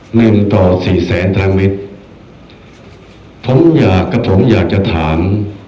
หนึ่งต่อสี่แสนทางมิตรผมอยากกับผมอยากจะถาม